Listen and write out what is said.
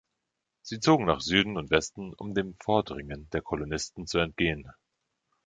Sie zogen nach Süden und Westen, um dem Vordringen der Kolonisten zu entgehen.